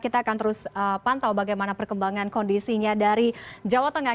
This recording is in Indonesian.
kita akan terus pantau bagaimana perkembangan kondisinya dari jawa tengah